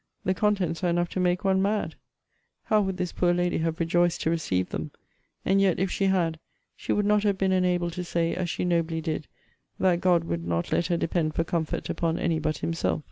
The contents are enough to make one mad. How would this poor lady have rejoiced to receive them! And yet, if she had, she would not have been enabled to say, as she nobly did,* That God would not let her depend for comfort upon any but Himself.